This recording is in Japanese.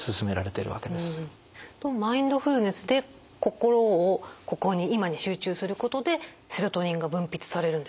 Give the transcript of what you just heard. マインドフルネスで心をここに今に集中することでセロトニンが分泌されるんですね。